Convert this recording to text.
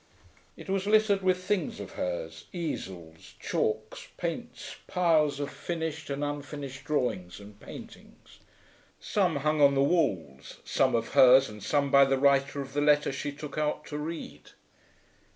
It was littered with things of hers: easels, chalks, paints, piles of finished and unfinished drawings and paintings. Some hung on the walls: some of hers and some by the writer of the letter she took out to read.